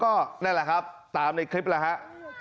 เขาเล่าบอกว่าเขากับเพื่อนเนี่ยที่เรียนปลูกแดงใช่ไหม